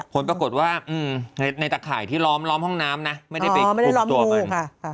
ผลปรากฏว่าในตะข่ายที่ล้อมห้องน้ำนะไม่ได้ไปคุมตัวมัน